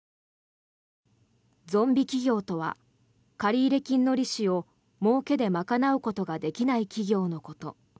ゾンビ企業とは借入金の利子をもうけで賄うことができない企業のこと。